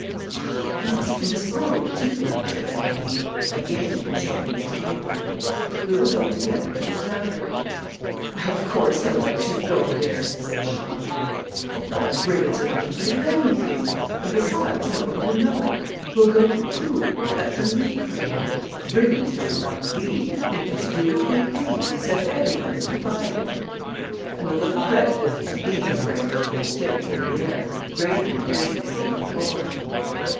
"Ah! yes, and to smoke too," said Antony, again consulting his paper; "we will go together to the tavern." "Of course they'll let you go there!" said Charles. "Oh, brigands are not afraid of anything, and besides no one will know it. We'll go to Troux, that's a league from here. Brigands don't want leave, they do just what they please, and set every one at defiance." And the little wretches again brandished their sticks in the air with greater fierceness than before.